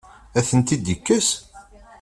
Ad tent-id-yekkes?